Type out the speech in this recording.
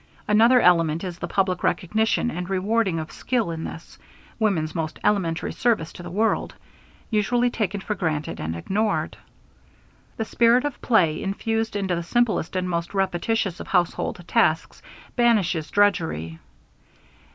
Another element is the public recognition and rewarding of skill in this, woman's most elementary service to the world, usually taken for granted and ignored. The spirit of play infused into the simplest and most repetitious of household tasks banishes drudgery.